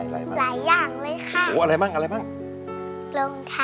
แล้วน้องใบบัวร้องได้หรือว่าร้องผิดครับ